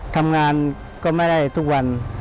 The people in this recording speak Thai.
ทำงานก็ไม่ได้ทุกวัน